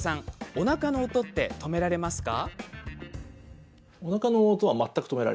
おなかの音って止められますか？